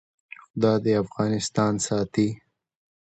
خدای دې افغانستان ساتي؟